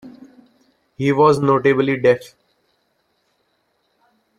He was notably deaf.